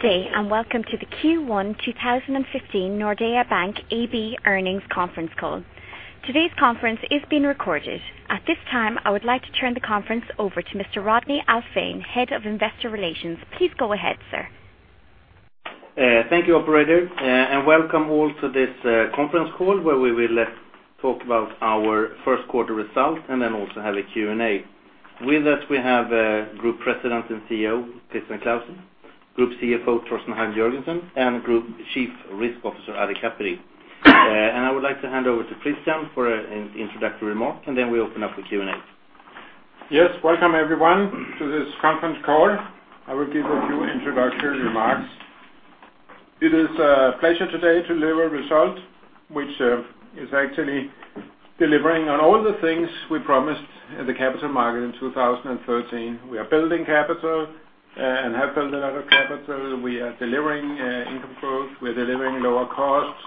Good day. Welcome to the Q1 2015 Nordea Bank AB earnings conference call. Today's conference is being recorded. At this time, I would like to turn the conference over to Mr. Rodney Alfvén, Head of Investor Relations. Please go ahead, sir. Thank you, operator. Welcome all to this conference call where we will talk about our first quarter results. We will also have a Q&A. With us, we have Group President and CEO, Christian Clausen, Group CFO, Torsten Hagen Jørgensen, and Group Chief Risk Officer, Ari Kaperi. I would like to hand over to Christian for an introductory remark. We'll open up for Q&A. Welcome everyone to this conference call. I will give a few introductory remarks. It is a pleasure today to deliver results, which is actually delivering on all the things we promised in the capital market in 2013. We are building capital and have built another capital. We are delivering income growth. We are delivering lower costs,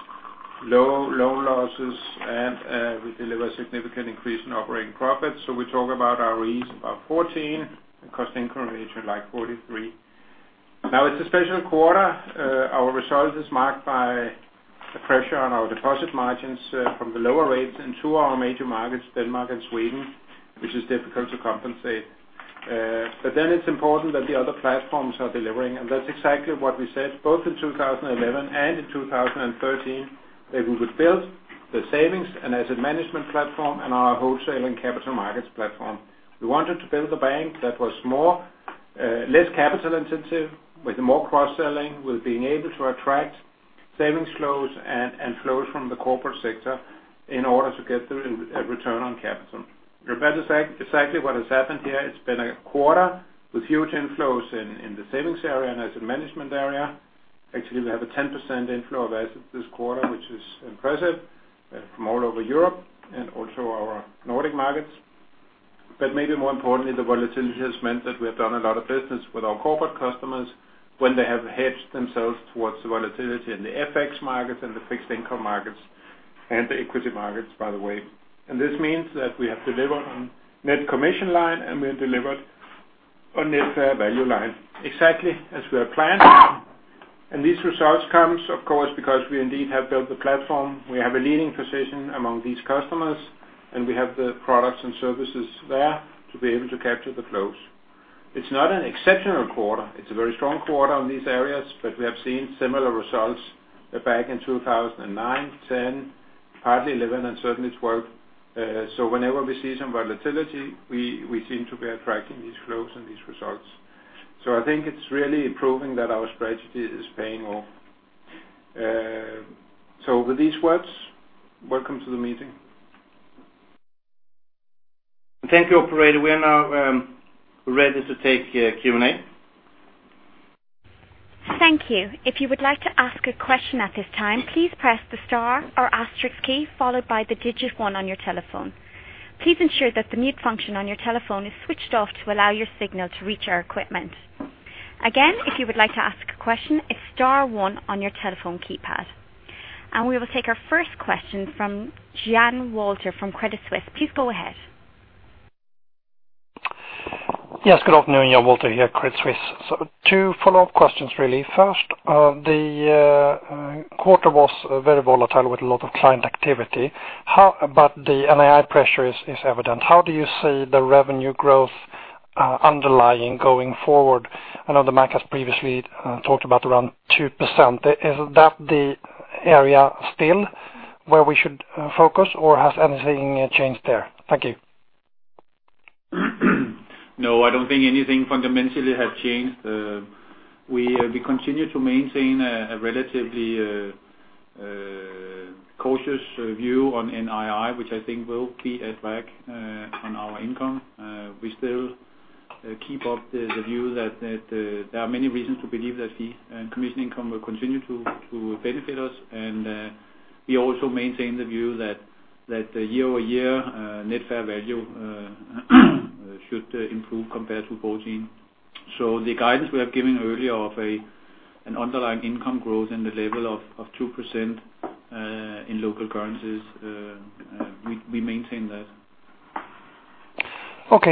low loan losses, and we deliver significant increase in operating profits. We talk about ROE is about 14, cost income ratio like 43. It's a special quarter. Our result is marked by the pressure on our deposit margins from the lower rates in two of our major markets, Denmark and Sweden, which is difficult to compensate. It's important that the other platforms are delivering. That's exactly what we said, both in 2011 and in 2013, that we would build the savings and asset management platform and our wholesaling capital markets platform. We wanted to build a bank that was less capital-intensive, with more cross-selling, with being able to attract savings flows and flows from the corporate sector in order to get the return on capital. That is exactly what has happened here. It's been a quarter with huge inflows in the savings area and asset management area. Actually, we have a 10% inflow of assets this quarter, which is impressive, from all over Europe and also our Nordic markets. Maybe more importantly, the volatility has meant that we have done a lot of business with our corporate customers when they have hedged themselves towards the volatility in the FX markets and the fixed income markets and the equity markets, by the way. This means that we have delivered on net commission line, and we have delivered on net fair value line exactly as we had planned. These results comes, of course, because we indeed have built the platform. We have a leading position among these customers, and we have the products and services there to be able to capture the flows. It's not an exceptional quarter. It's a very strong quarter on these areas, but we have seen similar results back in 2009, 2010, partly 2011, and certainly 2012. Whenever we see some volatility, we seem to be attracting these flows and these results. I think it's really proving that our strategy is paying off. With these words, welcome to the meeting. Thank you, operator. We are now ready to take Q&A. Thank you. If you would like to ask a question at this time, please press the star or asterisk key followed by the digit 1 on your telephone. Please ensure that the mute function on your telephone is switched off to allow your signal to reach our equipment. Again, if you would like to ask a question, it's star one on your telephone keypad. We will take our first question from Jan Walter from Credit Suisse. Please go ahead. Yes, good afternoon. Jan Wolter here, Credit Suisse. Two follow-up questions, really. First, the quarter was very volatile with a lot of client activity. The NII pressure is evident. How do you see the revenue growth underlying going forward? I know the market has previously talked about around 2%. Is that the area still where we should focus, or has anything changed there? Thank you. I don't think anything fundamentally has changed. We continue to maintain a relatively cautious view on NII, which I think will keep us back on our income. We still keep up the view that there are many reasons to believe that fee and commission income will continue to benefit us. We also maintain the view that the year-over-year net fair value should improve compared to 2014. The guidance we have given earlier of an underlying income growth in the level of 2% in local currencies, we maintain that.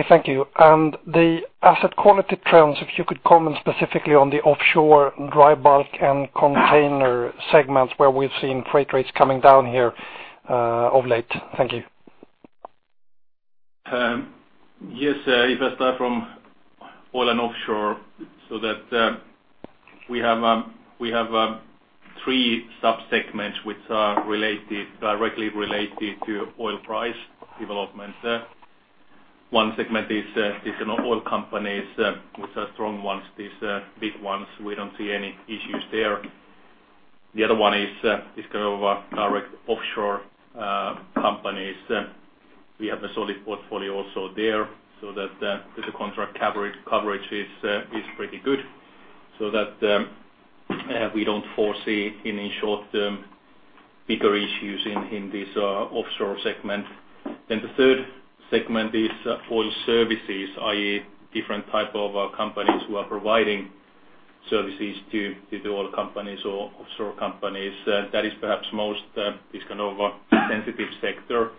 Thank you. The asset quality trends, if you could comment specifically on the offshore dry bulk and container segments where we've seen freight rates coming down here of late. Thank you. If I start from oil and offshore. We have three sub-segments which are directly related to oil price development. One segment is oil companies, which are strong ones. These big ones, we don't see any issues there. The other one is direct offshore companies. We have a solid portfolio also there, the contract coverage is pretty good, we don't foresee any short-term bigger issues in this offshore segment. The third segment is oil services, i.e., different type of companies who are providing services to the oil companies or offshore companies. That is perhaps most sensitive sector.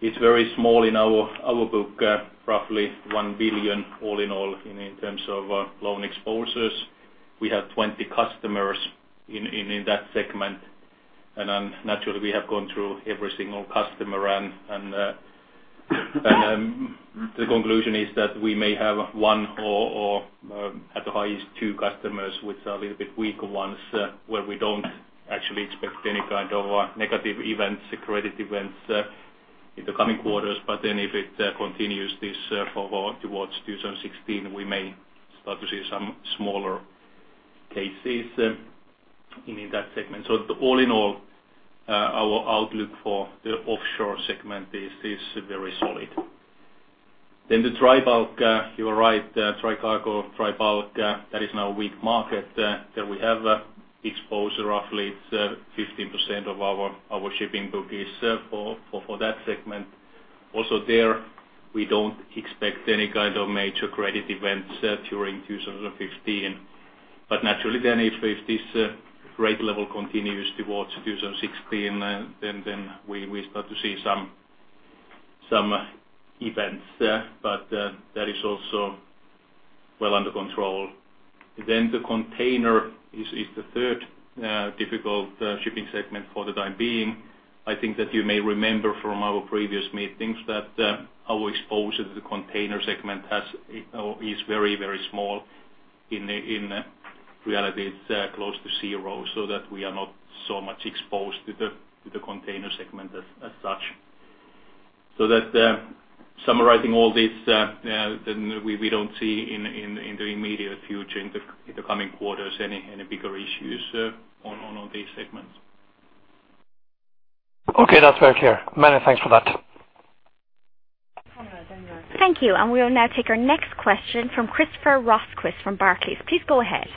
It's very small in our book, roughly 1 billion all in all in terms of loan exposures. We have 20 customers in that segment. Naturally we have gone through every single customer, and the conclusion is that we may have one or at the highest two customers which are a little bit weaker ones, where we don't actually expect any kind of negative events, credit events in the coming quarters. If it continues this forward towards 2016, we may start to see some smaller cases in that segment. All in all, our outlook for the offshore segment is very solid. The dry bulk. You are right. Dry cargo, dry bulk, that is now a weak market that we have exposure roughly to 15% of our shipping book is for that segment. Also there, we don't expect any kind of major credit events during 2015. Naturally if this rate level continues towards 2016, we start to see some events there, but that is also well under control. The container is the third difficult shipping segment for the time being. I think that you may remember from our previous meetings that our exposure to the container segment is very, very small. In reality, it's close to zero so that we are not so much exposed to the container segment as such. Summarizing all this, we don't see in the immediate future, in the coming quarters any bigger issues on all these segments. Okay. That's very clear. Many thanks for that. Thank you. We will now take our next question from Christoffer Rosquist from Barclays. Please go ahead.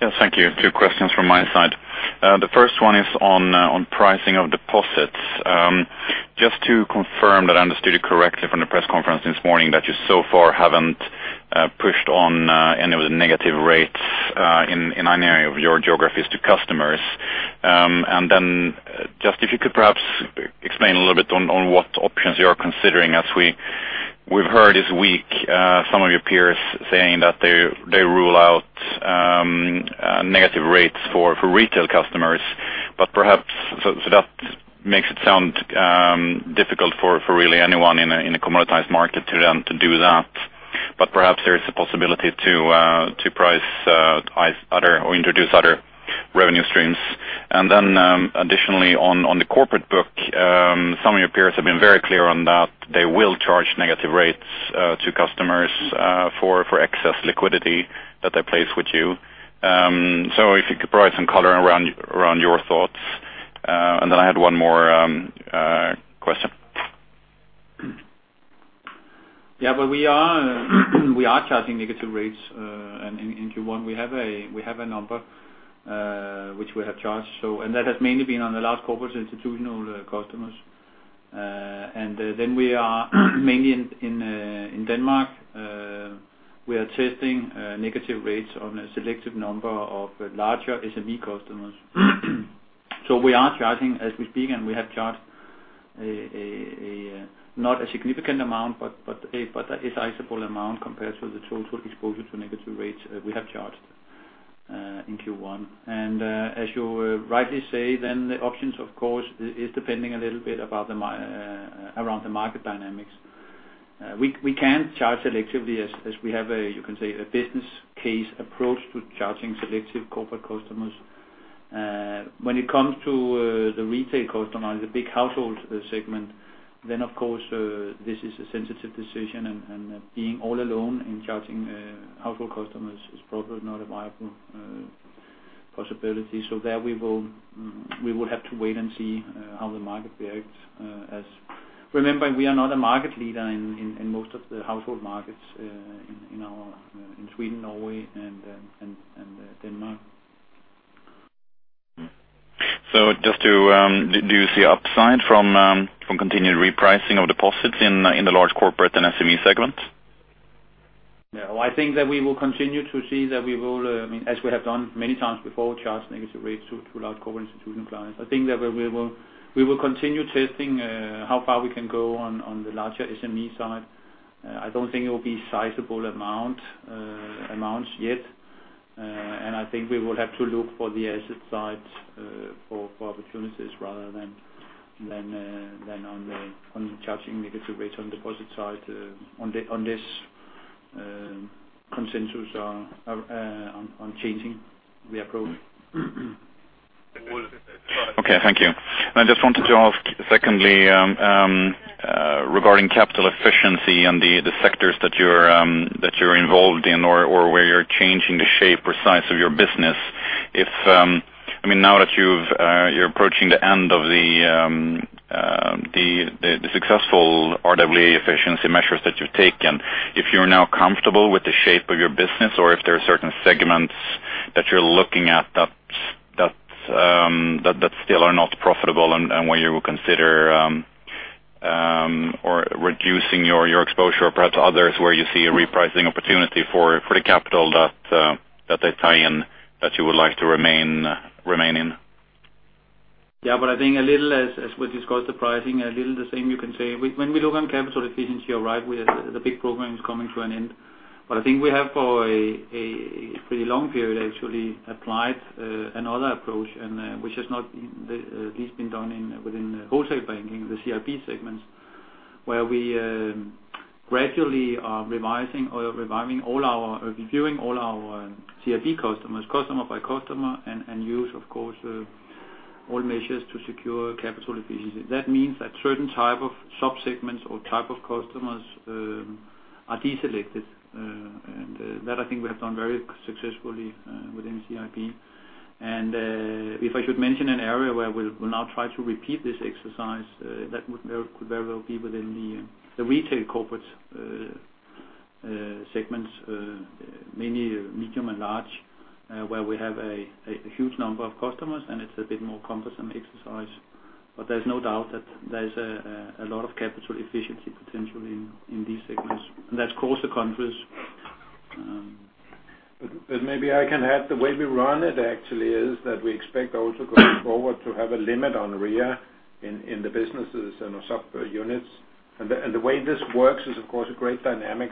Yes, thank you. Two questions from my side. The first one is on pricing of deposits. Just to confirm that I understood it correctly from the press conference this morning that you so far haven't pushed on any of the negative rates in any area of your geographies to customers. If you could perhaps explain a little bit on what options you are considering as we've heard this week some of your peers saying that they rule out negative rates for retail customers. That makes it sound difficult for really anyone in a commoditized market to do that. Perhaps there is a possibility to price other or introduce other revenue streams. Additionally on the corporate book, some of your peers have been very clear on that they will charge negative rates to customers for excess liquidity that they place with you. If you could provide some color around your thoughts. I had one more question. We are charging negative rates in Q1. We have a number which we have charged. That has mainly been on the large corporate institutional customers. We are mainly in Denmark. We are testing negative rates on a selective number of larger SME customers. We are charging as we speak, and we have charged not a significant amount, but a sizable amount compared to the total exposure to negative rates we have charged in Q1. As you rightly say, the options of course is depending a little bit around the market dynamics. We can charge selectively as we have a business case approach to charging selective corporate customers. When it comes to the retail customer, the big household segment, of course this is a sensitive decision and being all alone in charging household customers is probably not a viable possibility. There we would have to wait and see how the market behaves. Remember, we are not a market leader in most of the household markets in Sweden, Norway, and Denmark. Do you see upside from continued repricing of deposits in the large corporate and SME segment? I think that we will continue to see that we will, as we have done many times before, charge negative rates to large corporate institutional clients. I think that we will continue testing how far we can go on the larger SME side. I don't think it will be sizable amounts yet. I think we will have to look for the asset side for opportunities rather than on charging negative rates on deposit side on this consensus on changing the approach. Okay. Thank you. I just wanted to ask secondly regarding capital efficiency and the sectors that you're involved in or where you're changing the shape or size of your business. Now that you're approaching the end of the successful RWA efficiency measures that you've taken, if you're now comfortable with the shape of your business or if there are certain segments that you're looking at that still are not profitable and where you will consider or reducing your exposure or perhaps others where you see a repricing opportunity for the capital that they tie in That you would like to remain in. I think a little as we discussed the pricing, a little the same you can say. When we look on capital efficiency, you're right, the big program is coming to an end. I think we have for a pretty long period actually applied another approach and which has not at least been done within wholesale banking, the CIB segments, where we gradually are revising or reviewing all our CIB customers, customer by customer, and use of course all measures to secure capital efficiency. That means that certain type of sub-segments or type of customers are deselected. That I think we have done very successfully within CIB. If I should mention an area where we'll now try to repeat this exercise, that could very well be within the retail corporate segments, mainly medium and large, where we have a huge number of customers and it's a bit more cumbersome exercise. There's no doubt that there's a lot of capital efficiency potential in these segments. That's across the countries. Maybe I can add, the way we run it actually is that we expect also going forward to have a limit on RWA in the businesses and the software units. The way this works is of course a great dynamic,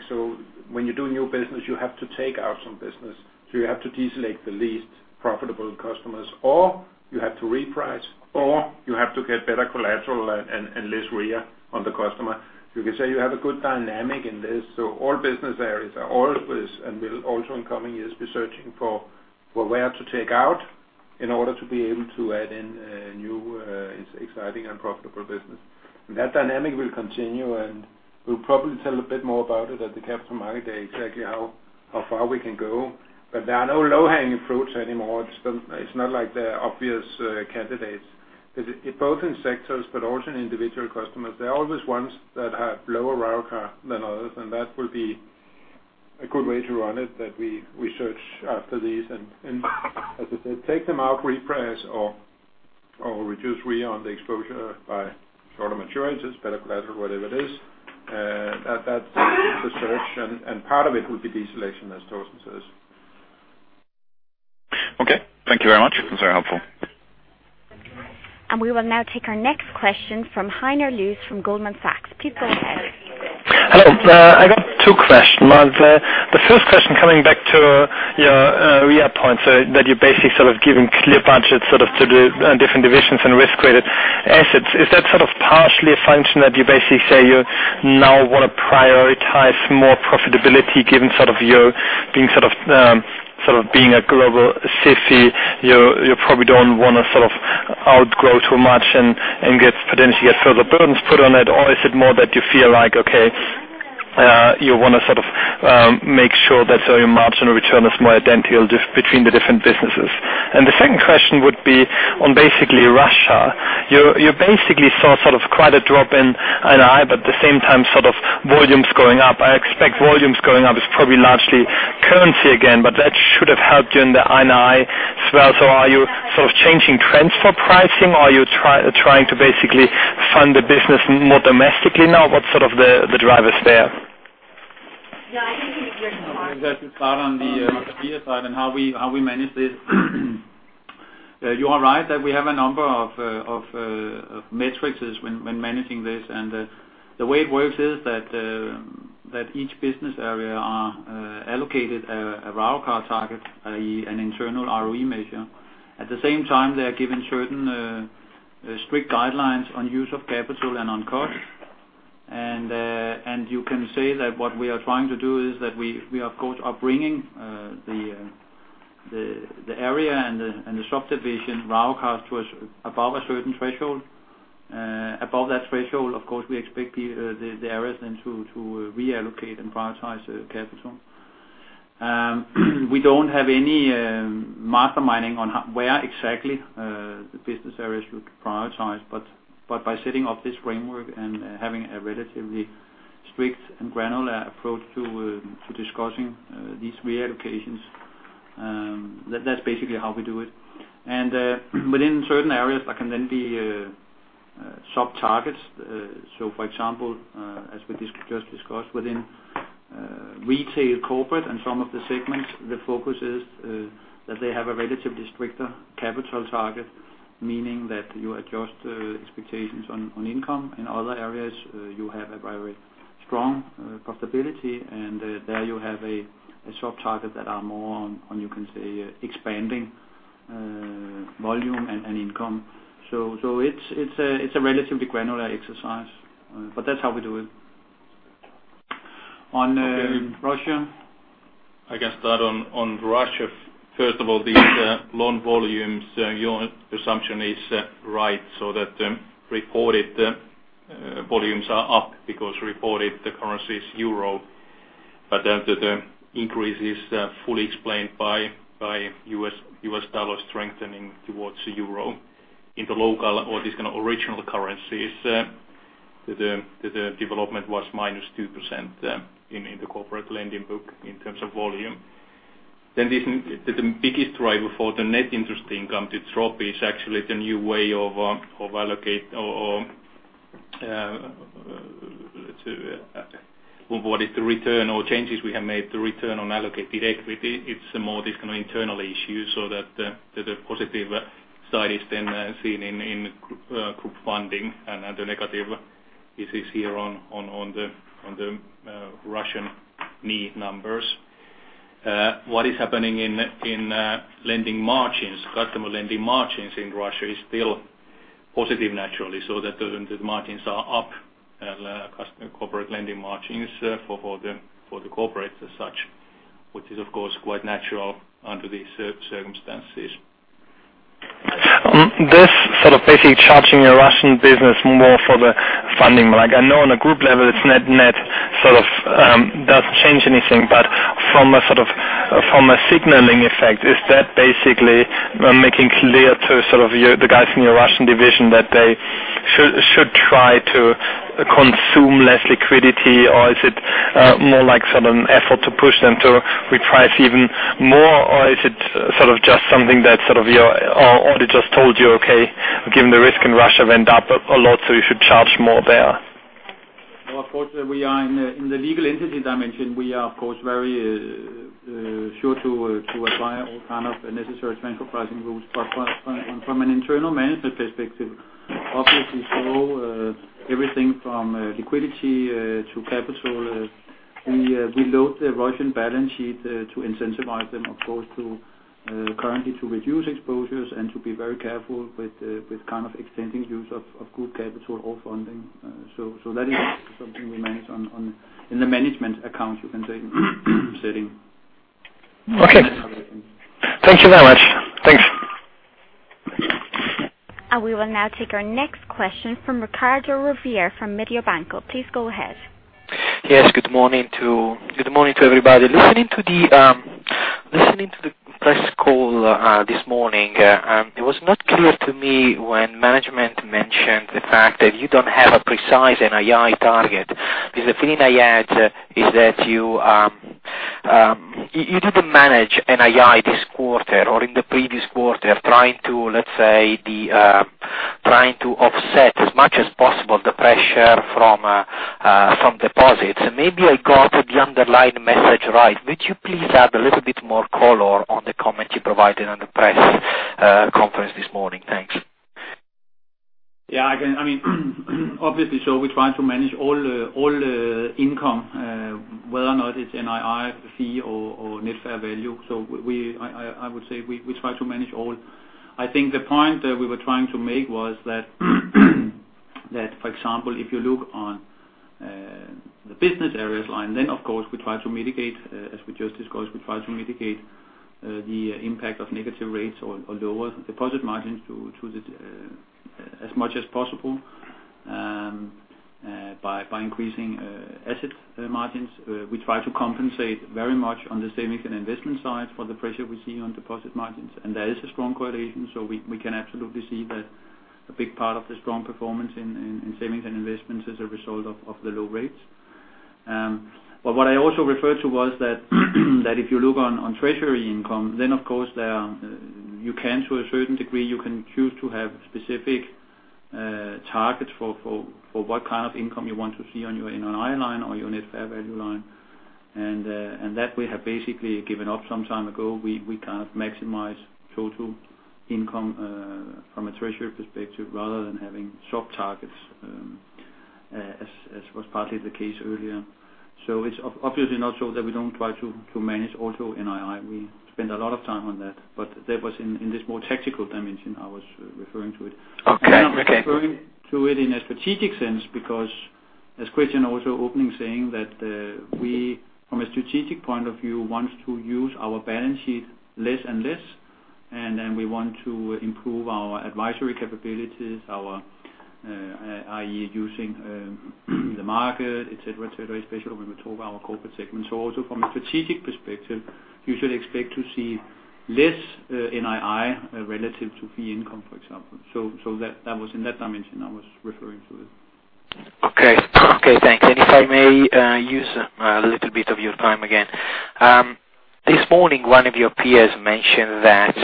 when you do new business, you have to take out some business. You have to deselect the least profitable customers, or you have to reprice, or you have to get better collateral and less RWA on the customer. You can say you have a good dynamic in this. All business areas are always and will also in coming years be searching for where to take out in order to be able to add in new exciting and profitable business. That dynamic will continue, and we'll probably tell a bit more about it at the Capital Markets Day, exactly how far we can go. There are no low-hanging fruits anymore. It's not like they're obvious candidates. Both in sectors but also in individual customers, there are always ones that have lower ROIC than others, and that will be a good way to run it, that we search after these and as I said, take them out, reprice or reduce RWA on the exposure by shorter maturities, better collateral, whatever it is. That's the search, and part of it will be deselection, as Torsten says. Okay. Thank you very much. That was very helpful. We will now take our next question from Heiner Loose from Goldman Sachs. Please go ahead. Hello. I got two questions. The first question coming back to your RWA points that you're basically sort of giving clear budgets sort of to the different divisions and risk-weighted assets. Is that sort of partially a function that you basically say you now want to prioritize more profitability given sort of you being a global G-SIB, you probably don't want to sort of outgrow too much and potentially get further burdens put on it? Or is it more that you feel like, okay, you want to sort of make sure that your marginal return is more identical between the different businesses? The second question would be on basically Russia. You basically saw sort of quite a drop in NII, but at the same time sort of volumes going up. I expect volumes going up is probably largely currency again, but that should have helped you in the NII as well. Are you sort of changing transfer pricing, or are you trying to basically fund the business more domestically now? What's sort of the drivers there? I'm happy to start on the RWA side and how we manage this. You are right that we have a number of metrics when managing this. The way it works is that each business area are allocated a ROIC target, an internal ROE measure. At the same time, they are given certain strict guidelines on use of capital and on cost. You can say that what we are trying to do is that we of course are bringing the area and the subdivision ROIC towards above a certain threshold. Above that threshold, of course, we expect the areas then to reallocate and prioritize capital. We don't have any masterminding on where exactly the business areas should prioritize, but by setting up this framework and having a relatively strict and granular approach to discussing these reallocations, that's basically how we do it. Within certain areas, there can then be sub-targets. For example, as we just discussed within retail corporate and some of the segments, the focus is that they have a relatively stricter capital target, meaning that you adjust expectations on income. In other areas, you have a very strong profitability, there you have a sub-target that are more on, you can say, expanding volume and income. It's a relatively granular exercise. That's how we do it. On Russia. I can start on Russia. First of all, these loan volumes, your assumption is right, reported volumes are up because reported the currency is EUR. The increase is fully explained by US dollar strengthening towards EUR. In the local or this kind of original currencies, the development was minus 2% in the corporate lending book in terms of volume. The biggest driver for the net interest income, the drop is actually the new way of allocate or What is the return or changes we have made to return on allocated equity? It's more this kind of internal issue, the positive side is then seen in group funding and the negative is here on the Russian NII numbers. What is happening in lending margins, customer lending margins in Russia is still positive naturally, the margins are up. Corporate lending margins for the corporate as such, which is of course quite natural under these circumstances. This sort of basically charging a Russian business more for the funding. I know on a group level it net sort of doesn't change anything, from a signaling effect, is that basically making clear to sort of the guys in your Russian division that they should try to consume less liquidity or is it more like sort of an effort to push them to reprice even more or is it sort of just something that your audit just told you, "Okay, given the risk in Russia went up a lot, so you should charge more there. Of course, we are in the legal entity dimension. We are, of course, very sure to apply all kind of necessary transfer pricing rules. From an internal management perspective, obviously follow everything from liquidity to capital. We load the Russian balance sheet to incentivize them, of course, currently to reduce exposures and to be very careful with kind of extending use of group capital or funding. That is something we manage in the management account, you can say setting. Thank you very much. Thanks. We will now take our next question from Riccardo Rovere from Mediobanca. Please go ahead. Good morning to everybody. Listening to the press call this morning, it was not clear to me when management mentioned the fact that you don't have a precise NII target, because the feeling I had is that you didn't manage NII this quarter or in the previous quarter, let's say, trying to offset as much as possible the pressure from deposits. Maybe I got the underlying message right. Would you please add a little bit more color on the comment you provided on the press conference this morning? Thanks. Yeah. Obviously, we try to manage all the income, whether or not it's NII fee or net fair value. I would say we try to manage all. I think the point that we were trying to make was that for example, if you look on the business areas line, of course, as we just discussed, we try to mitigate the impact of negative rates or lower deposit margins as much as possible by increasing asset margins. We try to compensate very much on the savings and investment side for the pressure we see on deposit margins, and that is a strong correlation. We can absolutely see that a big part of the strong performance in savings and investments is a result of the low rates. What I also referred to was that if you look on treasury income, of course, to a certain degree, you can choose to have specific targets for what kind of income you want to see on your NII line or your net fair value line. That we have basically given up some time ago. We kind of maximize total income from a treasury perspective rather than having sub targets as was partly the case earlier. It's obviously not so that we don't try to manage also NII. We spend a lot of time on that, but that was in this more tactical dimension I was referring to it. Okay. I'm not referring to it in a strategic sense because as Christian also opening, saying that we, from a strategic point of view, want to use our balance sheet less and less, and we want to improve our advisory capabilities, i.e., using the market, et cetera. Especially when we talk about our corporate segment. Also from a strategic perspective, you should expect to see less NII relative to fee income, for example. That was in that dimension I was referring to it. Okay. Thanks. If I may use a little bit of your time again. This morning, one of your peers mentioned that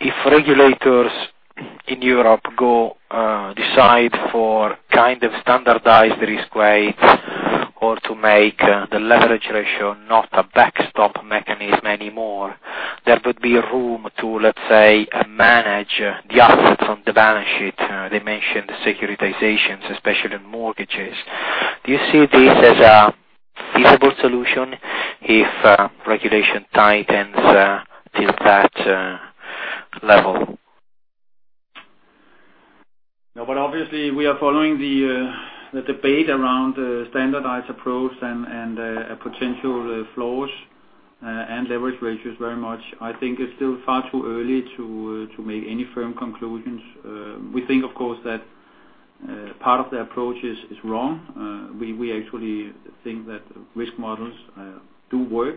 if regulators in Europe decide for kind of standardized risk weights or to make the leverage ratio not a backstop mechanism anymore, there would be room to, let's say, manage the assets on the balance sheet. They mentioned securitizations, especially in mortgages. Do you see this as a feasible solution if regulation tightens till that level? Obviously we are following the debate around standardized approach and potential flaws and leverage ratios very much. I think it's still far too early to make any firm conclusions. We think of course that part of the approach is wrong. We actually think that risk models do work,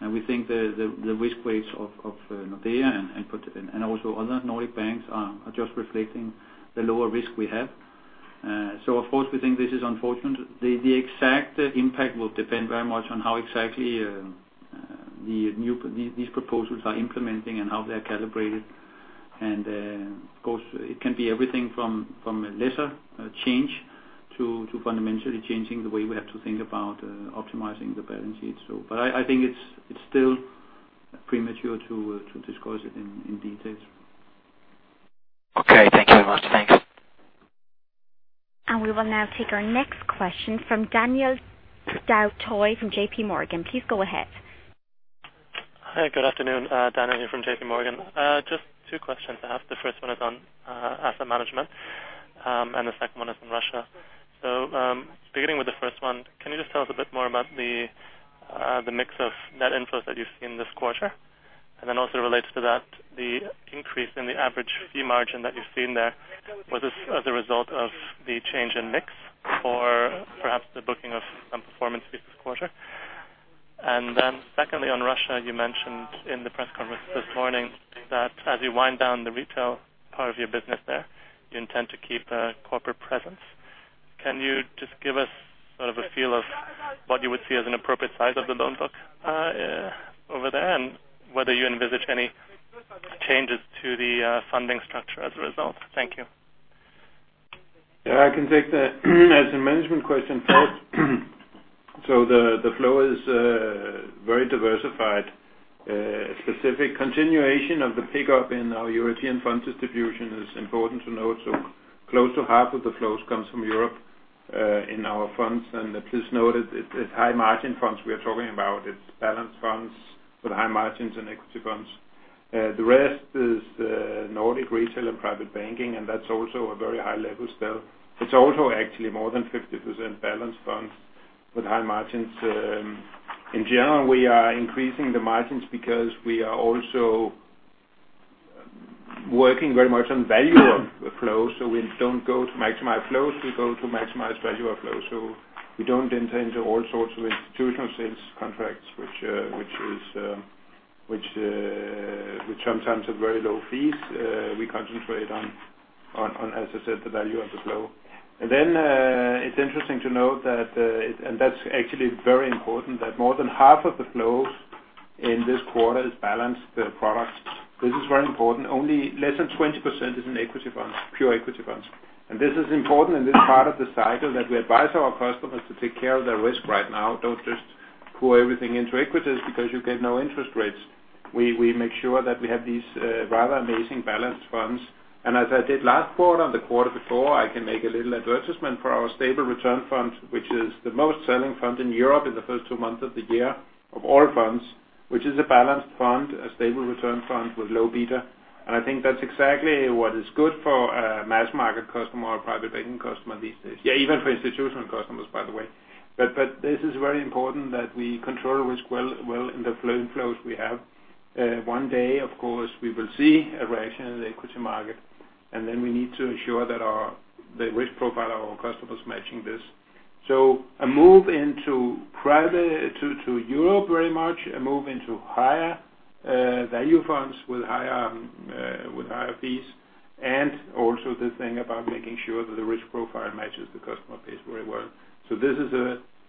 and we think the risk weights of Nordea and also other Nordic banks are just reflecting the lower risk we have. Of course, we think this is unfortunate. The exact impact will depend very much on how exactly The new these proposals are implementing and how they're calibrated. Of course, it can be everything from a lesser change to fundamentally changing the way we have to think about optimizing the balance sheet. I think it's still premature to discuss it in details. Okay. Thank you very much. Thanks. We will now take our next question from Daniel [Stautoy] from JPMorgan. Please go ahead. Hi, good afternoon. Daniel here from JP Morgan. Just two questions to ask. The first one is on asset management, the second one is on Russia. Beginning with the first one, can you just tell us a bit more about the mix of net inflows that you've seen this quarter? Also related to that, the increase in the average fee margin that you've seen there, was this as a result of the change in mix or perhaps the booking of some performance fees this quarter? Secondly, on Russia, you mentioned in the press conference this morning that as you wind down the retail part of your business there, you intend to keep a corporate presence. Can you just give us sort of a feel of what you would see as an appropriate size of the loan book over there, and whether you envisage any changes to the funding structure as a result? Thank you. I can take the asset management question first. The flow is very diversified. Specific continuation of the pickup in our European fund distribution is important to note. Close to half of the flows comes from Europe, in our funds. Please note it's high margin funds we are talking about. It's balanced funds with high margins and equity funds. The rest is Nordic retail and private banking, and that's also a very high level still. It's also actually more than 50% balanced funds with high margins. In general, we are increasing the margins because we are also working very much on value of the flow. We don't go to maximize flows, we go to maximize value of flow. We don't enter into all sorts of institutional sales contracts, which sometimes have very low fees. We concentrate on, as I said, the value of the flow. It's interesting to note that, and that's actually very important, that more than half of the flows in this quarter is balanced products. This is very important. Only less than 20% is in equity funds, pure equity funds. This is important in this part of the cycle that we advise our customers to take care of their risk right now. Don't just pour everything into equities because you get no interest rates. We make sure that we have these rather amazing balanced funds. As I did last quarter and the quarter before, I can make a little advertisement for our Stable Return Fund, which is the most selling fund in Europe in the first two months of the year of all funds, which is a balanced fund, a Stable Return Fund with low beta. I think that's exactly what is good for a mass market customer or private banking customer these days. Yeah, even for institutional customers, by the way. This is very important that we control risk well in the flowing flows we have. One day, of course, we will see a reaction in the equity market, then we need to ensure that the risk profile our customers matching this. A move into Europe very much, a move into higher value funds with higher fees. Also the thing about making sure that the risk profile matches the customer base very well. This is,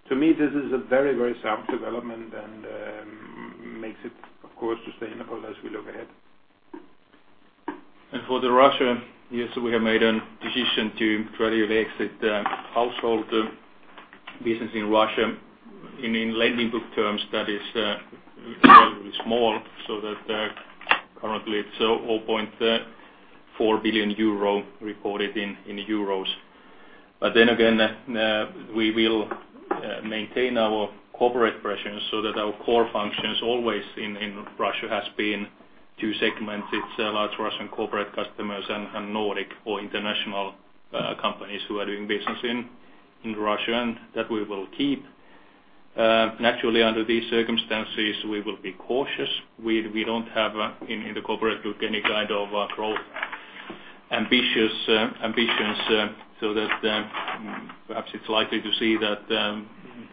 to me, a very, very sound development and makes it, of course, sustainable as we look ahead. For the Russia, yes, we have made a decision to gradually exit the household business in Russia. In lending book terms, that is relatively small, so that currently it's 0.4 billion euro reported in euros. Then again, we will maintain our corporate presence so that our core functions always in Russia has been two segments. It's large Russian corporate customers and Nordic or international companies who are doing business in Russia, and that we will keep. Naturally under these circumstances, we will be cautious. We don't have in the corporate book any kind of growth ambitions, so that perhaps it's likely to see that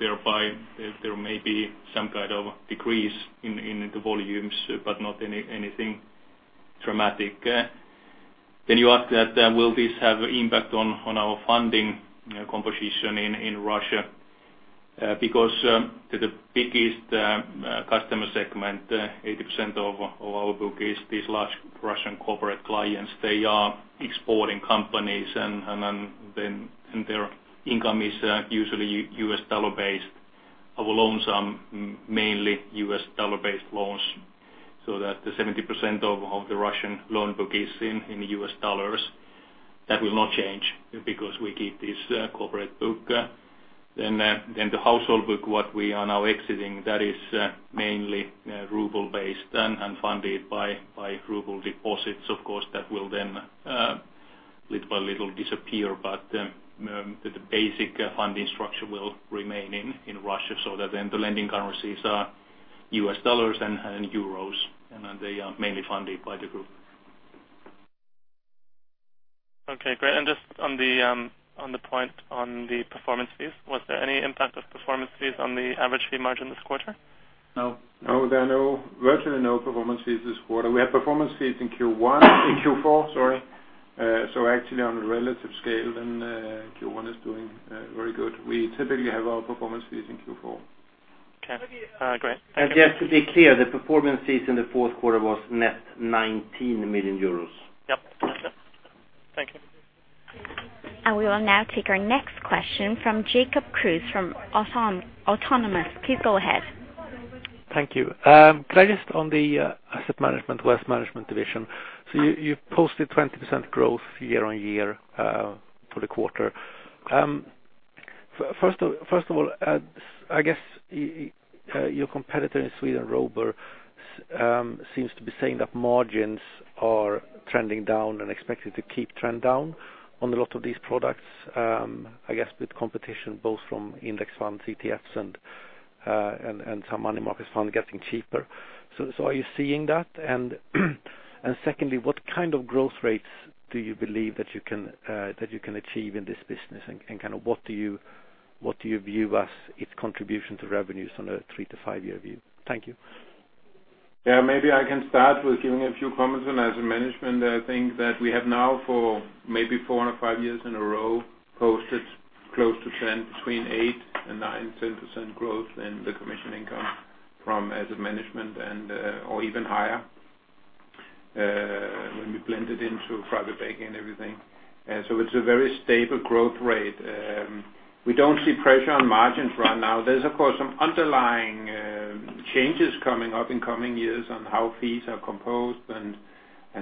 thereby there may be some kind of decrease in the volumes, but not anything dramatic. You ask that will this have impact on our funding composition in Russia? The biggest customer segment, 80% of our book is these large Russian corporate clients. They are exporting companies and their income is usually US dollar based. Our loans are mainly US dollar based loans, so that the 70% of the Russian loan book is in US dollars. That will not change because we keep this corporate book. The household book, what we are now exiting, that is mainly ruble based and funded by ruble deposits. Of course, that will then little by little disappear, but the basic funding structure will remain in Russia so that then the lending currencies are US dollars and euros, and they are mainly funded by the group. Okay, great. Just on the point on the performance fees, was there any impact of performance fees on the average fee margin this quarter? No. There are virtually no performance fees this quarter. We have performance fees in Q4. Actually on a relative scale, Q1 is doing very good. We typically have our performance fees in Q4. Okay, great. Thank you. Just to be clear, the performance fees in the fourth quarter was net 19 million euros. Yep. Thank you. We will now take our next question from Jacob Kruse from Autonomous. Please go ahead. Thank you. On the asset management, wealth management division. You've posted 20% growth year-over-year for the quarter. First of all, I guess your competitor in Sweden, Robur, seems to be saying that margins are trending down and expected to keep trend down on a lot of these products. I guess with competition both from index funds, ETFs, and some money market funds getting cheaper. Are you seeing that? Secondly, what kind of growth rates do you believe that you can achieve in this business, and what do you view as its contribution to revenues on a three to five-year view? Thank you. Maybe I can start with giving a few comments on asset management. I think that we have now for maybe four or five years in a row, posted close to trend between 8% and 9%, 10% growth in the commission income from asset management or even higher, when we blend it into private banking and everything. It's a very stable growth rate. We don't see pressure on margins right now. There is, of course, some underlying changes coming up in coming years on how fees are composed and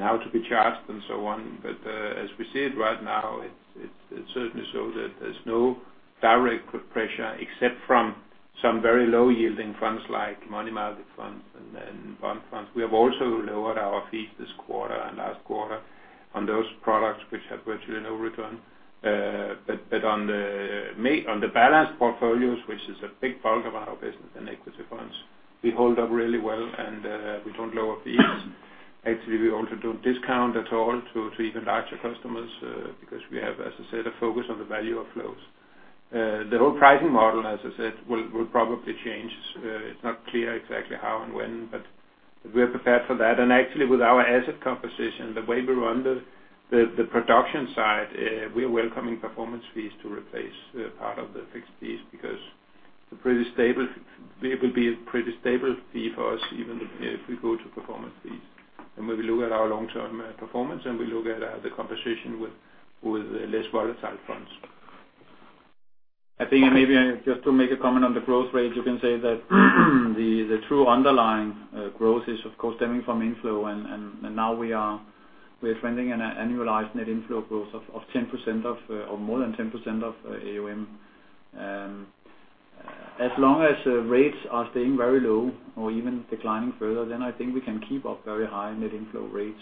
how to be charged and so on. As we see it right now, it's certainly so that there's no direct pressure except from some very low yielding funds like money market funds and bond funds. We have also lowered our fees this quarter and last quarter on those products which have virtually no return. On the balanced portfolios, which is a big bulk of our business in equity funds, we hold up really well and we don't lower fees. Actually, we also don't discount at all to even larger customers, because we have, as I said, a focus on the value of flows. The whole pricing model, as I said, will probably change. It's not clear exactly how and when, but we're prepared for that. Actually, with our asset composition, the way we run the production side, we are welcoming performance fees to replace part of the fixed fees because it will be a pretty stable fee for us, even if we go to performance fees. When we look at our long-term performance, and we look at the composition with less volatile funds. I think maybe just to make a comment on the growth rate, you can say that the true underlying growth is of course stemming from inflow. Now we are trending an annualized net inflow growth of more than 10% of AUM. As long as rates are staying very low or even declining further, I think we can keep up very high net inflow rates.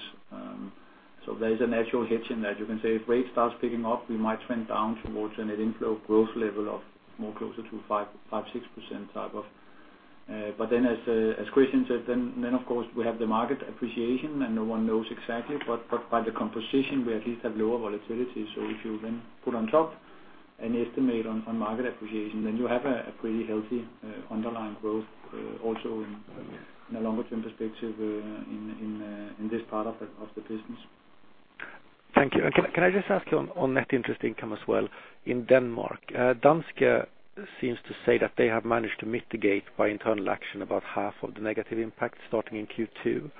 There is a natural hedge in that. You can say if rates start picking up, we might trend down towards a net inflow growth level of more closer to 5%, 6% type of. As Christian said, of course we have the market appreciation, and no one knows exactly, but by the composition, we at least have lower volatility. If you put on top an estimate on market appreciation, you have a pretty healthy underlying growth, also in a longer term perspective in this part of the business. Thank you. Can I just ask you on net interest income as well in Denmark. Danske seems to say that they have managed to mitigate by internal action about half of the negative impact starting in Q2,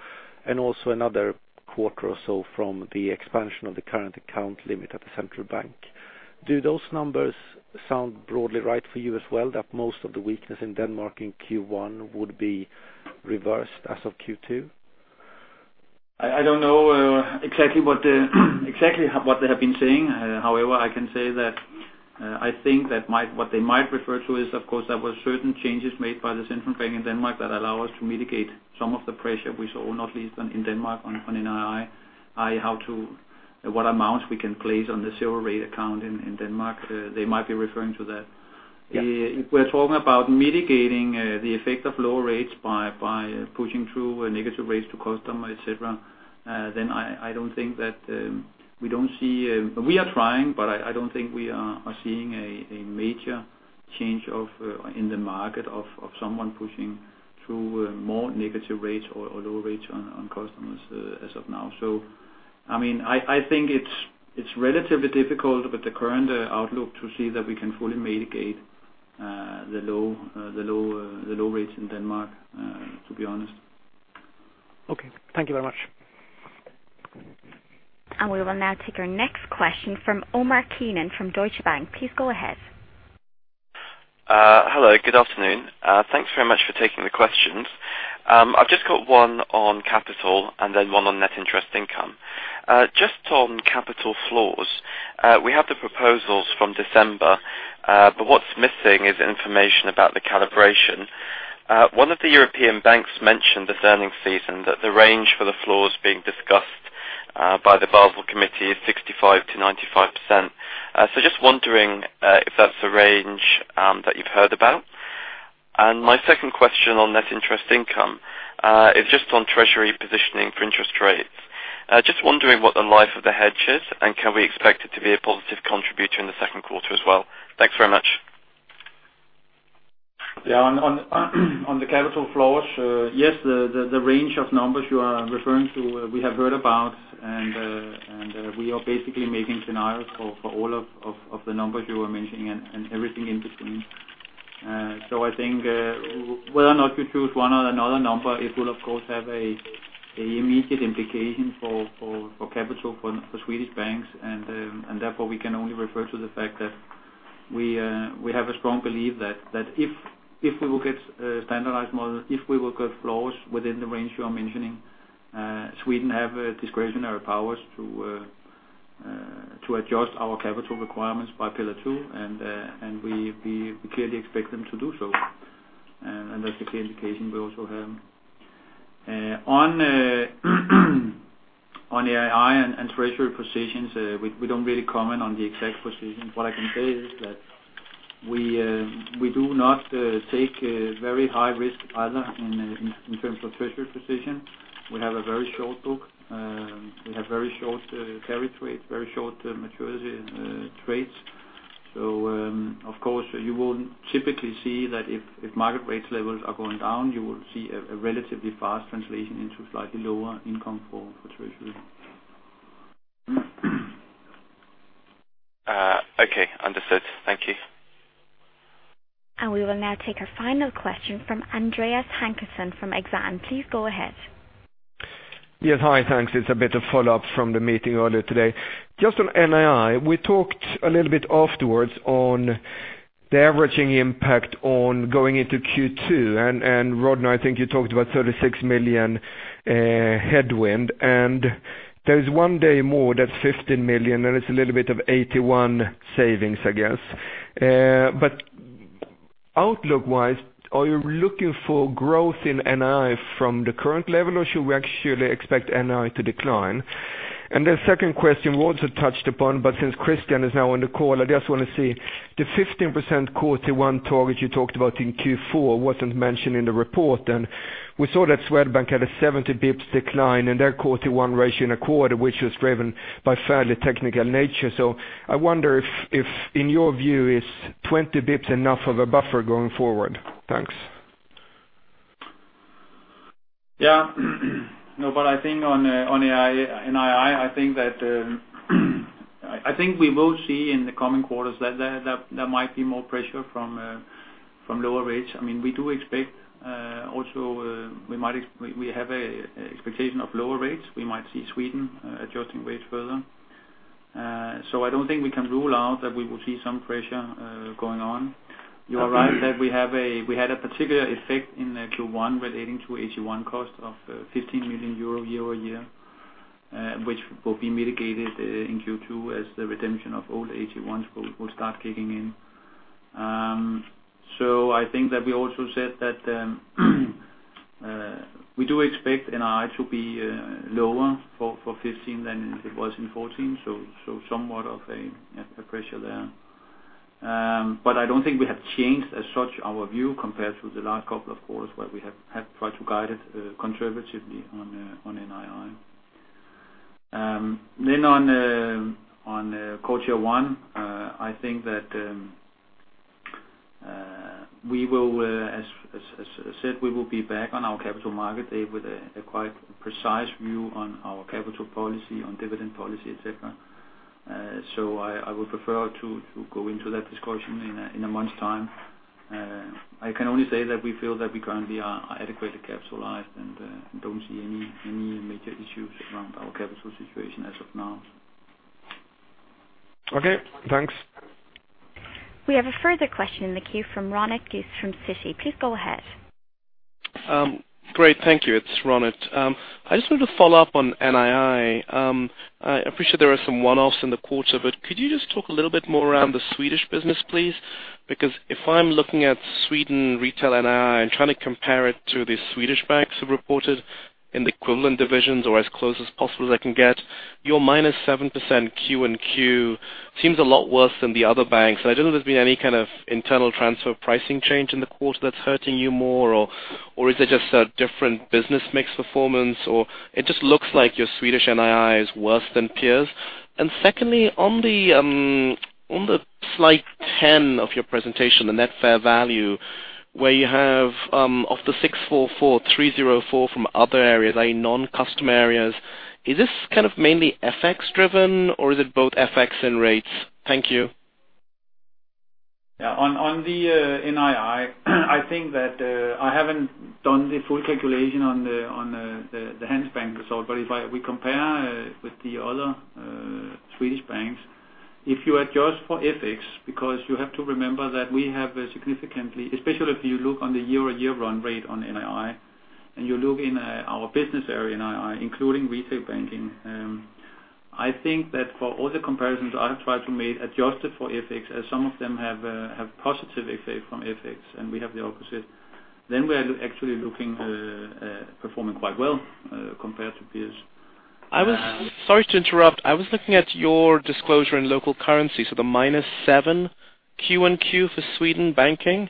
and also another quarter or so from the expansion of the current account limit at the central bank. Do those numbers sound broadly right for you as well, that most of the weakness in Denmark in Q1 would be reversed as of Q2? I do not know exactly what they have been saying. However, I can say that I think that what they might refer to is, of course, there were certain changes made by the central bank in Denmark that allow us to mitigate some of the pressure we saw, not least in Denmark on NII. What amounts we can place on the zero rate account in Denmark. They might be referring to that. Yeah. If we're talking about mitigating the effect of low rates by pushing through negative rates to customer, et cetera, We are trying, but I don't think we are seeing a major change in the market of someone pushing through more negative rates or lower rates on customers as of now. I think it's relatively difficult with the current outlook to see that we can fully mitigate the low rates in Denmark, to be honest. Okay. Thank you very much. We will now take our next question from Omar Keenan from Deutsche Bank. Please go ahead. Hello, good afternoon. Thanks very much for taking the questions. I've just got one on capital and then one on net interest income. Just on capital floors. We have the proposals from December, what's missing is information about the calibration. One of the European banks mentioned this earning season that the range for the floors being discussed by the Basel Committee is 65%-95%. Just wondering if that's the range that you've heard about. My second question on net interest income, is just on treasury positioning for interest rates. Just wondering what the life of the hedge is, can we expect it to be a positive contributor in the second quarter as well? Thanks very much. Yeah. On the capital floors, yes, the range of numbers you are referring to, we have heard about. We are basically making scenarios for all of the numbers you were mentioning and everything in between. I think whether or not we choose one or another number, it will, of course, have a immediate implication for capital for Swedish banks. Therefore we can only refer to the fact that we have a strong belief that if we will get a standardized model, if we will get floors within the range you are mentioning, Sweden have discretionary powers to adjust our capital requirements by Pillar 2. We clearly expect them to do so. That's the clear indication we also have. On AT1 and treasury positions, we don't really comment on the exact position. What I can say is that we do not take a very high risk either in terms of treasury position. We have a very short book. We have very short maturity trades. Of course, you will typically see that if market rates levels are going down, you will see a relatively fast translation into slightly lower income for treasury. Okay. Understood. Thank you. We will now take our final question from Andreas Håkansson from Exane. Please go ahead. Yes. Hi. Thanks. It's a bit of follow-up from the meeting earlier today. Just on NII, we talked a little bit afterwards on the averaging impact on going into Q2. Rod, I think you talked about 36 million headwind, there's one day more, that's 15 million, then it's a little bit of 81 savings, I guess. Outlook-wise, are you looking for growth in NII from the current level, or should we actually expect NII to decline? The second question we also touched upon, but since Christian Clausen is now on the call, I just want to see the 15% quarter one target you talked about in Q4 wasn't mentioned in the report, we saw that Swedbank had a 70 basis points decline in their quarter one ratio in a quarter, which was driven by fairly technical nature. I wonder if, in your view, is 20 basis points enough of a buffer going forward? Thanks. I think on NII, I think we will see in the coming quarters that there might be more pressure from lower rates. We have an expectation of lower rates. We might see Sweden adjusting rates further. I don't think we can rule out that we will see some pressure going on. You are right that we had a particular effect in Q1 relating to AT1 cost of 15 million euro year-over-year, which will be mitigated in Q2 as the redemption of old AT1s will start kicking in. I think that we also said that we do expect NII to be lower for 2015 than it was in 2014, somewhat of a pressure there. I don't think we have changed as such our view compared to the last couple of quarters where we have had to try to guide it conservatively on NII. On quarter one, I think that, as I said, we will be back on our Capital Markets Day with a quite precise view on our capital policy, on dividend policy, et cetera. I would prefer to go into that discussion in a month's time. I can only say that we feel that we currently are adequately capitalized and don't see any major issues around our capital situation as of now. Okay, thanks. We have a further question in the queue from Ronit Ghose from Citi. Please go ahead. Great. Thank you. It's Ronit. I just wanted to follow up on NII. I appreciate there are some one-offs in the quarter, but could you just talk a little bit more around the Swedish business, please? Because if I'm looking at Sweden retail NII and trying to compare it to the Swedish banks who reported in the equivalent divisions or as close as possible as I can get, your minus 7% Q and Q seems a lot worse than the other banks. I don't know if there's been any kind of internal transfer pricing change in the quarter that's hurting you more, or is it just a different business mix performance, or it just looks like your Swedish NII is worse than peers. Secondly, on the slide 10 of your presentation, the net fair value, where you have of the 644, 304 from other areas, i.e. non-customer areas. Is this kind of mainly FX driven, or is it both FX and rates? Thank you. Yeah. On the NII, I think that I haven't done the full calculation on the Handelsbanken result. If we compare with the other Swedish banks, if you adjust for FX, because you have to remember that we have a significantly, especially if you look on the year-on-year run rate on NII, and you look in our business area NII, including retail banking, I think that for all the comparisons I have tried to make adjusted for FX, as some of them have positive effect from FX, and we have the opposite. Then we are actually performing quite well compared to peers. Sorry to interrupt. I was looking at your disclosure in local currency, so the minus 7 Q-on-Q for Sweden banking.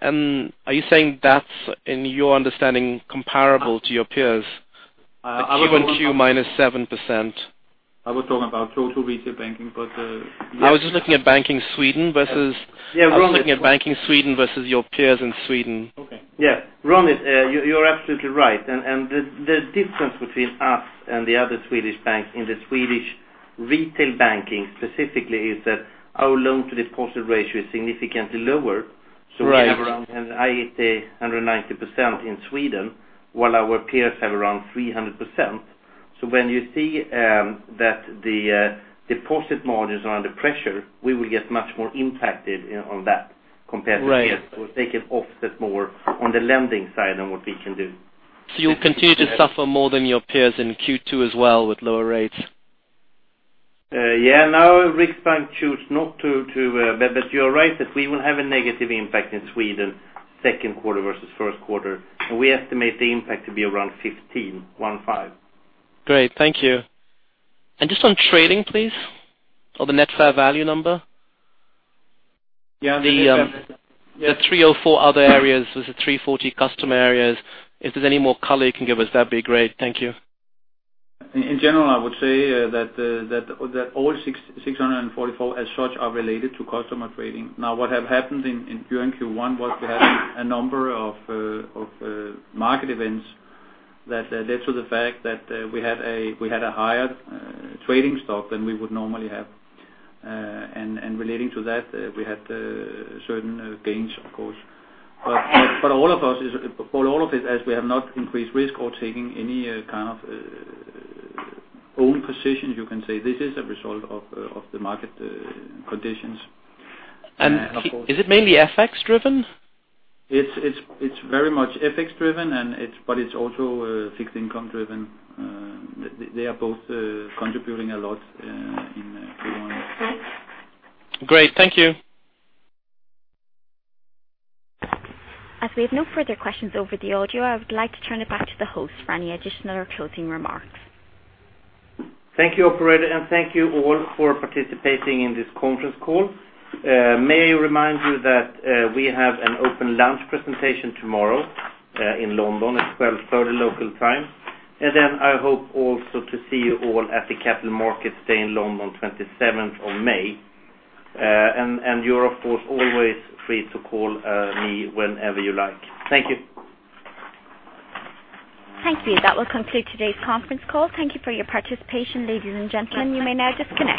Are you saying that's in your understanding comparable to your peers? Q-on-Q minus 7%. I was talking about total retail banking. I was just looking at banking Sweden. Yeah, Ronit- I was looking at banking Sweden versus your peers in Sweden. Okay. Yeah. Ronit, you're absolutely right. The difference between us and the other Swedish banks in the Swedish retail banking specifically is that our loan-to-deposit ratio is significantly lower. Right. We have around an high 180%, 190% in Sweden, while our peers have around 300%. When you see that the deposit margins are under pressure, we will get much more impacted on that compared to peers. Right. We'll take it offset more on the lending side than what we can do. You'll continue to suffer more than your peers in Q2 as well with lower rates? Riksbank choose not to. You're right that we will have a negative impact in Sweden second quarter versus first quarter. We estimate the impact to be around 15. Great. Thank you. Just on trading, please, or the net fair value number. Yeah. The 304 other areas versus 340 customer areas. If there's any more color you can give us, that'd be great. Thank you. In general, I would say that all 644 as such are related to customer trading. What have happened during Q1 was we had a number of market events that led to the fact that we had a higher trading stock than we would normally have. Relating to that, we had certain gains, of course. For all of it, as we have not increased risk or taking any kind of own positions, you can say this is a result of the market conditions. Is it mainly FX driven? It's very much FX driven, but it's also fixed income driven. They are both contributing a lot in Q1. Great. Thank you. As we have no further questions over the audio, I would like to turn it back to the host for any additional or closing remarks. Thank you, operator, and thank you all for participating in this conference call. May I remind you that we have an open lunch presentation tomorrow in London at 12:30 local time. I hope also to see you all at the Capital Markets Day in London, 27th of May. You're, of course, always free to call me whenever you like. Thank you. Thank you. That will conclude today's conference call. Thank you for your participation, ladies and gentlemen. You may now disconnect.